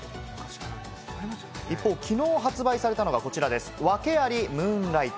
一方、きのう発売されたのがこちらです、訳ありムーンライト。